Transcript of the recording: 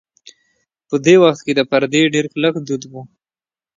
په دې وخت کې د پردې ډېر کلک دود و.